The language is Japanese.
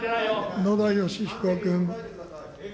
野田佳彦君。